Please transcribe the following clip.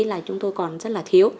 là chúng tôi còn rất là thiếu